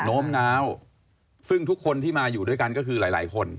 โน้มน้าวซึ่งทุกคนที่มาอยู่ด้วยกันก็คือหลายหลายคน